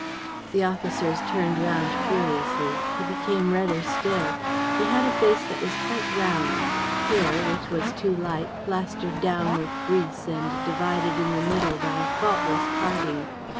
"The officers turned round furiously. He became redder still. He had a face that was quite round, hair, which was too light, plastered down with grease and divided in the middle by a faultless parting.